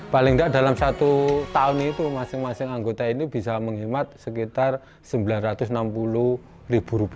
paling tidak dalam satu tahun itu masing masing anggota ini bisa menghemat sekitar rp sembilan ratus enam puluh